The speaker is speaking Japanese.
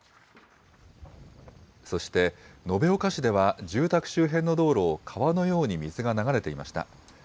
そして延岡市では、住宅周辺の道路を川のように水が流れていました。